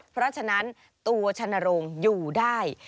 เพราะฉะนั้นตัวชนโรงอยู่ได้